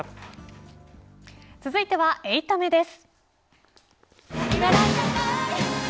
続いては８タメです。